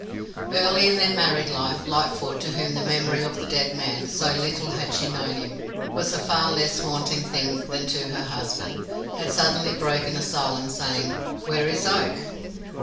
Early in their married life Lightfoot, to whom the memory of the dead man, so little had she known him, was a far less haunting thing than to her husband, had suddenly broken a silence, saying "Where is Oak?"